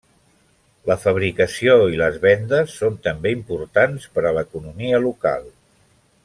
La fabricació i les vendes són també importants per a l'economia local.